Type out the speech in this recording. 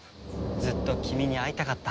ずっと君に会いたかった。